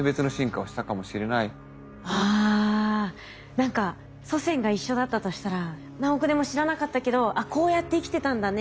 何か祖先が一緒だったとしたら何億年も知らなかったけど「あっこうやって生きてたんだね」